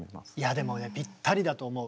でもねぴったりだと思う。